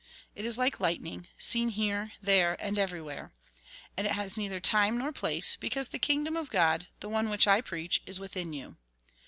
It is like lightning, seen here, there, and everywhere. And it has neither time nor place, because the kingdom of God, the one which I preach, is within you."